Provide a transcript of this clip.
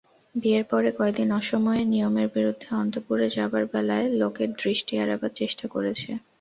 বিয়ের পরে কয়দিন অসময়ে নিয়মের বিরুদ্ধে অন্তঃপুরে যাবার বেলায় লোকের দৃষ্টি এড়াবার চেষ্টা করেছে।